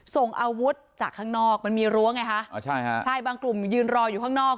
ส่งอาวุธจากข้างนอกมันมีรั้วไงคะอ่าใช่ฮะใช่บางกลุ่มยืนรออยู่ข้างนอก